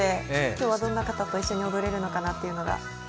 今日はどんな方と一緒に踊れるのかなというのが。